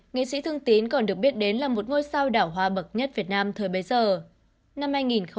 nghệ sĩ thương tín còn được biết đến là một ngôi sao đảo hoa bậc nhất việt nam thời bấy giờ